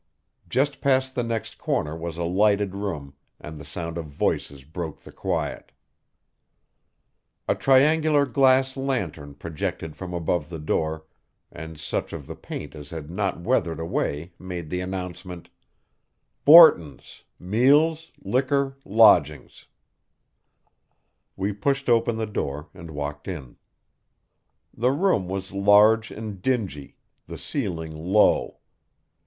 Just past the next corner was a lighted room, and the sound of voices broke the quiet. A triangular glass lantern projected from above the door, and such of the paint as had not weathered away made the announcement: [Illustration: BORTON'S Meals Liquors Lodgings] We pushed open the door and walked in. The room was large and dingy, the ceiling low.